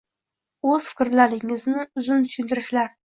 O‘z fikrlaringizni uzun tushuntirishlar